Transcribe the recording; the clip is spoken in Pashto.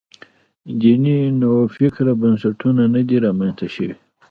دیني نوفکرۍ بنسټونه نه دي رامنځته شوي.